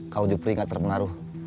kalo jupri gak terpengaruh